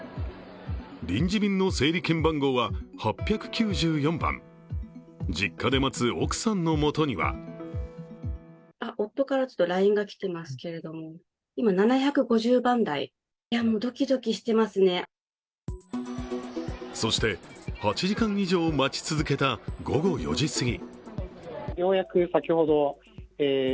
臨時便の整理券番号は８９４番、実家で待つ奥さんのもとにはそして、８時間以上待ち続けた午後４時すぎ。